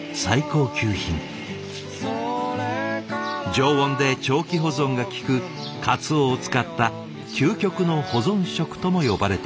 常温で長期保存が効く鰹を使った究極の保存食とも呼ばれています。